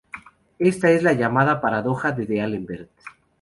Esta es la llamada paradoja de D'Alembert.